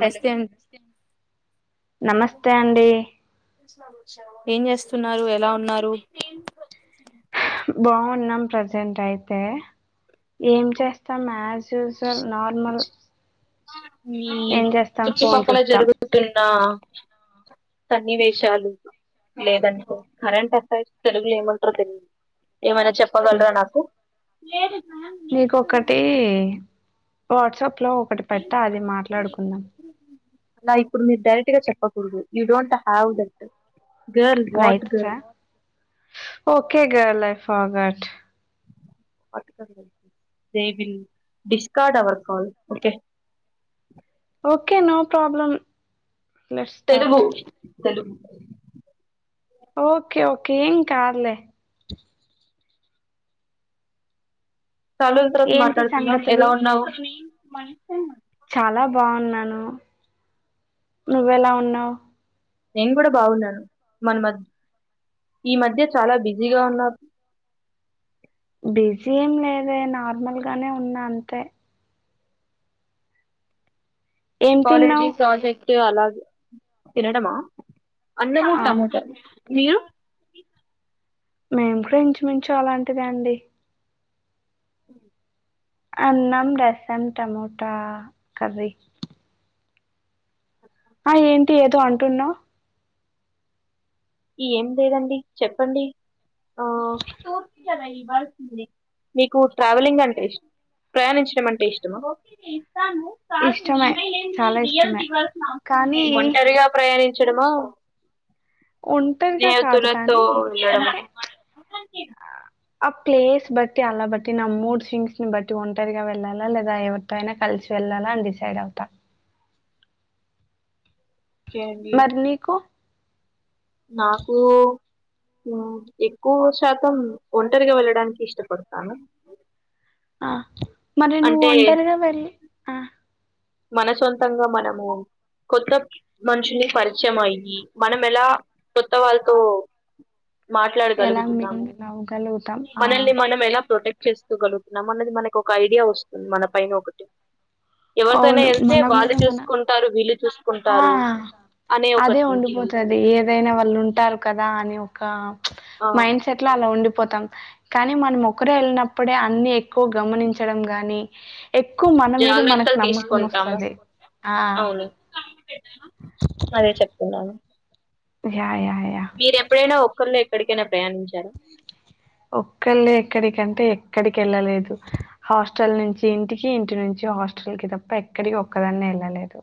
Hello నమస్తే అండి చంచ్చా ఏం చేస్తున్నారు ఎలా ఉన్నారు బావున్నాం ప్రజెంట్ అయితే ఏం చేస్తాం యాస్ యూజ్ వల్ నార్మల్ హ మ్మ్ ఏం చేస్తాం ఫోన్ ఐచుట్టుపక్కల చూస్తాం జరుగుతున్నా సన్నివేశాలు లేదంటే కరెంట్ అఫైర్స్ తెలుగులో ఏమంటారో తెలీ ఏమైనా చెప్పగలరా నాకు లేదు నీకొకటి వాట్సప్ లో ఒకటి పెట్టా అది మాట్లాడుకుందాం లా ఇప్పుడు మీరు డైరెక్ట్ గా చెప్పకూడదు you don't have that girl what రైట్సా girl okay గల్ if forgot Discord our call okay okay no problem let's start Telugu Telugu okay okay ఏం కాదులే చాల రోజులు తర్వాత ఏంటి మాట్లాడుతున్నాం సంగతులు ఎలా ఉన్నావు మన చాలా బాగున్నాను నువ్వెలా ఉన్నావు నేను కూడా బాగున్నాను మన మద్ ఈ మధ్య చాలా బిజీగా ఉన్నారు బిజీ ఏం లేదే నార్మల్ గానే ఉన్నా అంతే ఏం తిన్నావు కాలేజీస్ ప్రాజెక్ టే అలాగే తినడమా అన్నమూ ఆ టమోటాలు మీరు మేము కూడా ఇంచుమించు అలాంటిదే అండి ఉ అన్నం రసం టమోటా కర్రీ ఆ ఏంటి ఏదో అంటున్నావ్ ఈ ఏం లేదండి చెప్పండి ఆ నీకు ట్రావెలింగ్ అంటే ఇష్ ప్రయాణించడం అంటే ఇష్టమా ఇష్టమే చాలా ఇష్టమే కానీ ఓంటరిగా ప్రయాణిం చ్చడమా ఒంటరిగా కాదు స్నేహితులతో కానీ అంటే ఉండడం. [unintelligible] ఆ ప్లేస్ బట్టి, అలా బట్టి నా మూడ్ థింగ్స్ ని బట్టి ఒంటరిగా వెళ్ళాలా, లేదా ఎవరితో అయినా కలిసి వెళ్ళాలా అని డిసైడ్ అవుతా. ఓకే అండి మరి నీకు నాకు ఉ ఎక్కువ శాతం ఒంటరిగా వెళ్ళడానికి ఇష్టపడతాను. ఆ మరి నువ్వు అంటే ఒంటరిగా వెళ్లి ఆ మన సొంతంగా మనము కొత్త మనుషుని పరిచయం అయ్యి, మనం ఎలా కొత్త వాళ్ళతో ఎలా మాట్లాడగలుగుతున్నాము. మింగిల్ అవ్వగలుగుతాం ఆ మనల్ని మనం ఎలా ప్రొటెక్ట్ చేస్తూ గలుగుతున్నాం అన్నది మనకి ఒక ఐడియా వస్తుంది మన పైన ఒకటి. అవును ఎంతే మన మీద వాళ్ళు మన చూసుకుంటారు, వీళ్ళు చూసు ఆ అదే ఉంటుంది ఉండిపోతుది ఏదైనా వాళ్ళు ఉంటారు కదా. అని ఒక చ్ ఆ మైండ్ సెట్ లో అలా ఉండి పోతాం. కానీ మనం ఒకరే వెళ్ళినప్పుడే అన్ని ఎక్కువ గమనించడం గాని, ఎక్కువ మన మీద మనకు జాగ్రత్తలు నమ్మకం తీసుకుంటాము వస్తది. ఆ అవును అదే చెప్తున్నాను. [unintelligible] యా మీర ఎప్పుడైనా ఒక్కల్లె ఎక్కడికైనా ప్రయాణించారా ఒక్కళ్లే ఎక్కడికంటే ఎక్కడికి వెళ్ళలేదు. హాస్టల్ నుంచి ఇంటికి, ఇంటి నుంచి హాస్టల్ కి తప్ప ఎక్కడికి ఒక్కదన్నే వెళ్ళలేదు.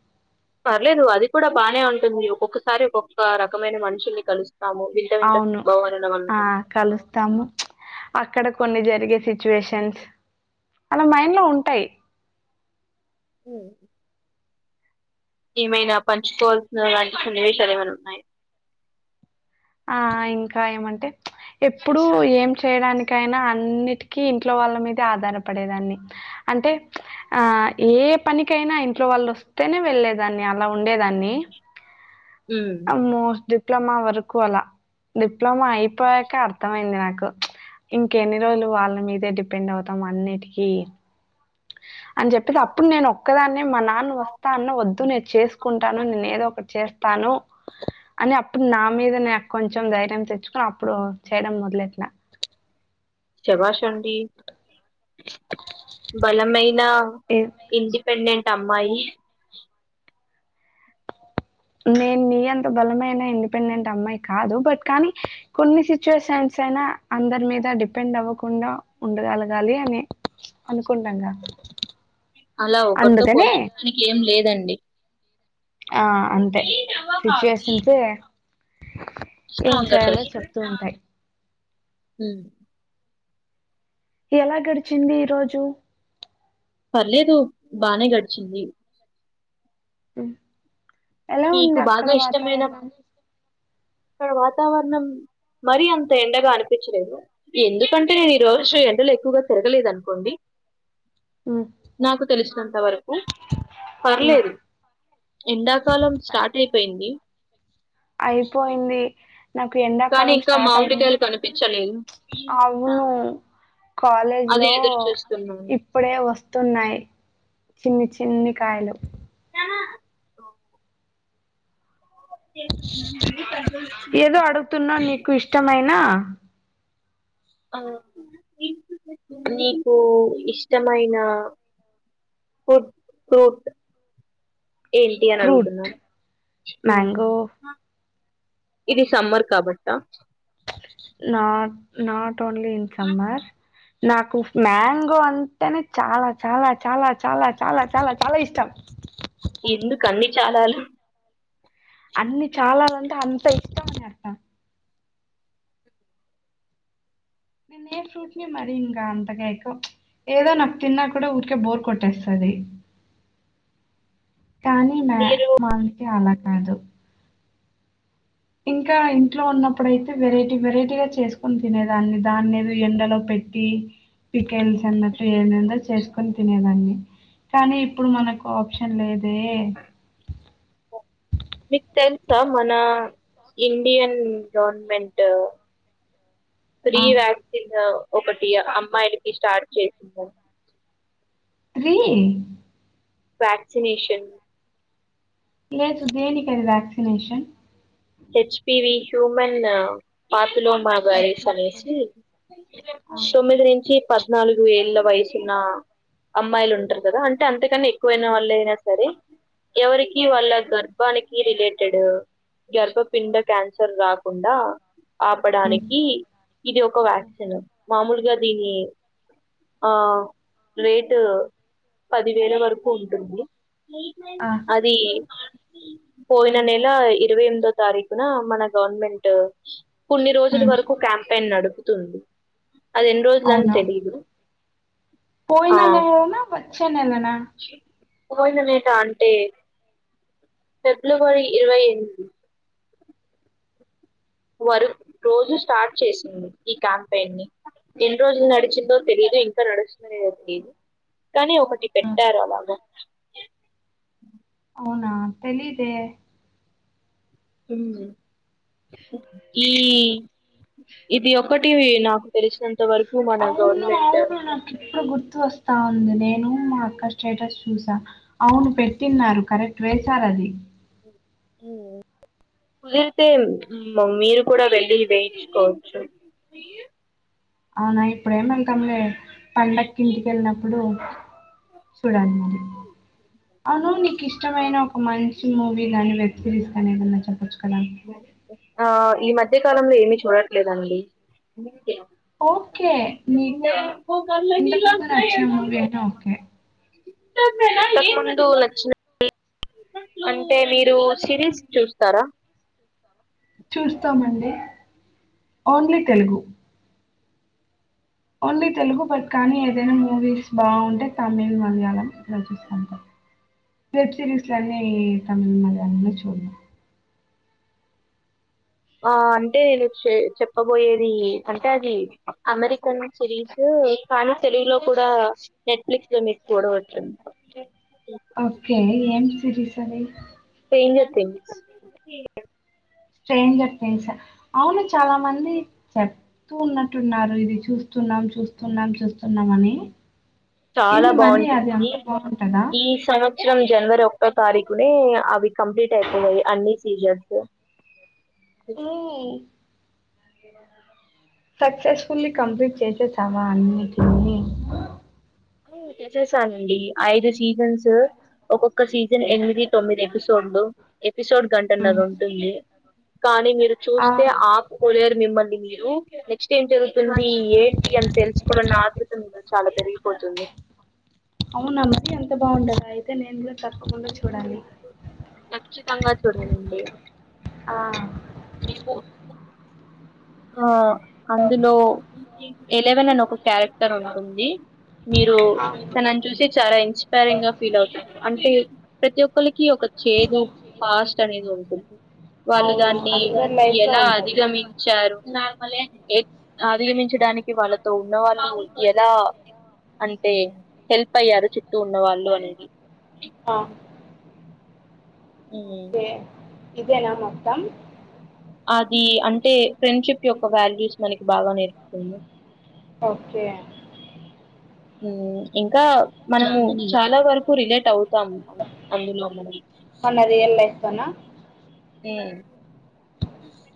పర్లేదు అది కూడా బానే ఉంటుంది. ఒక్కొక్కసారి ఒక్కొక్క రకమైన మనుషుల్ని కలుస్త అవును ఆ కలుస్తాము. చ్ అక్కడ కొన్ని జరిగే సిచ్యుయేషన్స్ అలా మైండ్ లో ఉంటాయి. ఏమైనా పంచుకోవాల్సిన లాంటి సన్నివేషాలు ఏమైనా ఉన్నాయా. ఆ ఇంకా ఏమంటే ఎప్పుడు ఏం చేయడానికి కైనా అన్నిటికీ ఇంట్లో వాళ్ళ మీద ఆధారపడేదాన్ని. అంటే ఆ ఏ పనికైనా ఇంట్లో వాళ్ళు వస్తేనే వెళ్ళేదాన్ని అలా ఉండేదాన్ని. ఆ మోస్ట్ డిప్లొమా వరకు అలా డిప్లొమా అయిపోయాక అర్థమయింది. నాకు చ్ ఇంకెన్ని రోజులు వాళ్ళ మీదే డిపెండ్ అవుతాం అన్నిటికీ. అని చెప్పేది అప్పుడు నేను ఒక్కదాన్నే మనాన్ వస్తా అన్న వద్దు నేను చేసుకుంటాను నేను ఏదో ఒకటి చేస్తాను. అని అప్పుడు నా మీద నేను కొంచెం ధైర్యం తెచ్చుకుని అప్పుడు చేయడం మొదలెట్నా. శభాష్ అండి బలమైన ఏ- ఇండిపెండెంట్ అమ్మాయి నేను నీ అంత బలమైన ఇండిపెండెంట్ అమ్మాయి కాదు బట్ కానీ కొన్ని సిచ్యుయేషన్స్ అయినా అందరి మీద డిపెండ్ అవ్వకుండ ఉండగలగాలి అని అనుకుంటాం గ అలా ఒకరితో పోల్చుకోడానికి ఏం లేదం డి ఆ అంతే సిచ్యువేషన్స్ ఏం చేయాలో చెప్తూ ఉంటాయి హమ్ ఎలా గడిచింది ఈరోజు పర్లేదు బానే గడిచింది హమ్ ఎలా ఉంది అక్కడ వాతావరణం ఇక్కడ వాతావరణం మరీ అంత ఎండగ అనిపించలేదు ఎందుకంటే ఈరోజు ఎండలు ఎక్కువగ పెరగలేదునుకోండి ఉమ్, నాకు తెలిసినంత వరకు ఉమ్, పర్లేదు ఎండాకాలం స్టార్ట్ పర్లేదు అయిపోయింది అయిపోయింది నాకు కానీ ఎండాకాలం ఇంకా స్టార్ట్ అవ్వు మామిడికాయలు కనిపించలేదు అవును కాలేజ్ అదే లో ఎదురు చూస్తున్నాను ఇప్పుడే వస్త తున్నాయి చిన్ని చిన్ని కాయలు ఏదో అడుగుతున్నా నీకు ఇష్టమైనా ఆ నీకు ఇష్టమైన ఫుడ్ ఫ్రూట్ ఏంటి అని ఫ్రూట్ అడుగుతున్నాను హమ్ మ్యాంగో ఇది సమ్మర్ కాబట్టా ప్చ్ నా నా టోన్లీ ఇన్ సమ్మర్ నాకు మ్యాంగో అంటేనే చాలా చాలా చాలా చాలా చాలా చాలా చాలా ఇష్టం ఎందుకు అన్ని చాలాలు అన్ని చాలాలంటే అంత ఇష్టం అని అర్థం నేను ఏ ఫ్రూట్ ని మరి ఇంకా అంతగా ప్చ్ ఏదో నాకు తిన్నా కూడా ఊరికే బోర్ కొట్టేస్తది కానీ మ్యా మామిడి కాయ్ అల కాదు ఇన్ ఇంకా ఇంట్లో ఉన్నప్పుడుయితే వెరైటీ వెరైటీ గా చేసుకుొని తినేదాన్ని దాన్నిది ఎండలో పెట్టి పికెల్స్ అన్నట్టు ఏ చేసుకొని తినేదాన్ని కానీ ఇప్పుడు మనకు ఆప్షన్ లేదు లే స మనా ఇండియన్ గవర్మెంట్ ఫ్రి ఆ వ్యాక్సిన్ ఒకటి అమ్మాయిలకి స్టార్ట్ చేసింది త్రి వ్యాక్సినేషన్ లేదు దేని కది వ్యాక్సినేషన్ హె చ్పి వి హ్యూమన్ ప ఓకే ఫిలోమాగరేషన్ ఓకే ఏసి ఆ తొమ్మిది నుంచి పద్నాలుగు ఏళ్ళ వయసున్న అమ్మాయిలు ఉంటారు కదా అంటే అంతకన్న ఎక్కువైన వాళ్ళ అయినా సరే ఎవరికి ఆ వాళ్ళ గర్భానికి ఈ రిలేటెడ్ గర్భపిండ క్యాన్సర్ రాకుండా హ్మ్ ఆపడానికి ఇది ఒక వ్యాక్సిన్ మామూల్గా దీని అ రేటు పది వేల వరకు ఉంటుంది ఆ అదీ పోయిన నెల ఇరవై ఎనిమిది దొ తారీఖున మన గవర్నమెంట్ కున్ని రోజుల హ్మ్ వరకు క్యాంపెయిన్ నడుపు తోండి అది ఎన్ని రోజుల్ అని తెలీదు పోయినను న న్ననా పోయింద నేట అంటే ఫిబ్రవరి ఇరవై ఎనిమిది వరు రోజు స్టార్ట్ చేసింది ఈ క్యాంపెయిన్ ని ఎన్ని రోజులు నడిచిందో తెలీయదు ఇంకా నడుస్తునే ఏదో ఉంది కాని ఒకటి ఆ పెట్టారు అలాగ అవునా తెలీదె మ్ ఈ య్ ఇది ఒకటి నాకు తెలిసినం అవును అవును నాకి ఇప్పుడు గుర్ తు వస్తా ఉంది నేను మా అక్క స్టేటస్ చూసా అవును పెట్టిన్నారు కరెక్ట్ వేశార అది కుదిరితే మీరు కూడా వెళ్ళి వేయించుకోవచ్చు అవునా ఇప్పుడేమెల్తాంలే పండక్కి ఇంటిక వెళ్ళినప్పుడు చూడాలి మరి అవును నీకు ఇష్టమైన ఒక మంచి మూవీ లాంటిది సిరిస్కానేన్నన్నా చప్పచ్చు ఆ ఈ మధ్య కాలంలో ఏమి చూడ ట్లే దండి ఓకే నీకు ఇంతకు ముందు నచ్చిన మూవీ అయినా ఓకే ఇంతకముందు నచ్చిన అంటే మీరు సిరీస్ చూస్తారా చూస్తామండి only Telugu only Telugu but కానీ ఏదేనా మూవీస్ బాగుంటే తమిళ్ మలయాళంలా చూస్తుంట అంతే వెబ్సీరీస్లన్ని తమిళ్ మళయామే చూడ ఆ అంటే నేను చె చెప్పబోయేది అంటే అది అమెరికన్ సిరీస్ కానీ తెలుగులో కూడా నెట్ఫ్లిక్స్ లో మీకు కూడా వచ్చింది ఓకే ఏం సిరీస్ అది స్ట్రెంజర్ థింగ్స్ స్ట్రేంజర్ థింగ్స్ అవును చాలా మంది చెప్తూ ఉన్నట్టున్నారు ఇది చూస్తున్నాం చూస్తున్నాం చూస్తున్నాం అని చాలా ఏంది మరి అది బాగుంటుంది అంత బావుంటదా? ఈ సంవత్సరం జనవరి ఒ కటో తారిక్ ప్పుడే అవి కంప్లీట్ అయిపోయయి అన్ని సీజన్స్ స్ ఇయ్ సక్సెస్ఫుల్లీ కంప్లీట్ చేసేసావా అన్నిటిని వు చేసేస్తానండి ఐదు సీజన్స్ ఒకొ ఒక సీజన్ హ్మ్. ఎనిమిది తొమ్మిది ఎపిసోడ్లు ఎపిసోడ్ కంటన్నది హ్మ్. ఉంటుంది కానీ మీరు ఆ! చూస్తే ఆపూకోలేరు మిమ్మల్ని మీ నెక్స్ట్ ఏం జరుగుతుంది ఏంటి అని తెలుసుకోవలన్నా ఆతృత మీలో చాలా పెరిగి పోతుంది అవునమ్రి ఎంత బాగుంటది అయితే నేను కూడా తప్పకుండా చూ ఖచ్చితంగా చూడాలండి ఆ ఏ పూ పు ఆ అందులో ఎలవెన్ అని ఒక క్యారెక్ట క్టర్ ఉన్నడుంది మీరు తనని చూసి చాలా ఇన్స్పైరింగ్ గా ఫీల్ అవుతారు అంటే ప్రతి ఒక్కలికి ఒక చేజ్ ప్ పాస్ట్ అనేది ఉంటుంది వాళ్ళు అవును దాన్ని అందరి లైఫ్ లో ఎలా ఉంటది అధిగమించారు. అధిగమించడానికి వాళ్ళతో ఉన్న వాళ్ళు ఎలా అంటే హెల్ప్ అయ్యారు చుట్టూ ఉన్న వాళ్ళు అనేది ఆ ఉమ్ ఓకే ఇదేనా మొత్తం అది అంటే ఫ్రెండ్ షిప్ యొక్క వాల్యూస్ మనకి బాగా నేర్పిస్తుంది. ఓకే ఉ ఇంకా మనం చాలా వరకు రిలేట్ అవుతాం అందులో మన మన రియల్ లైఫ్ లోన ఇ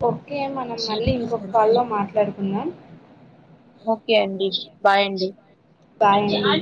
ఓకే మనం మళ్ళీ ఇంకొక కరెక్ట్ కాల్లో మాట్లాడుకుందాం ఓకే అండి బాయ్ అండి బాయ్ అండి